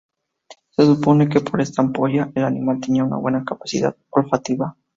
Se supone que por esta ampolla el animal tenía una buena capacidad olfativa.